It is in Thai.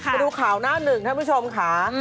มาดูข่าวหน้าหนึ่งท่านผู้ชมค่ะ